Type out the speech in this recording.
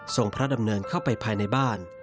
พระดำเนินเข้าไปภายในบ้าน